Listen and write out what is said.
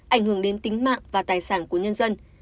ảnh hưởng đến tính mạng và tài sản của nhân dân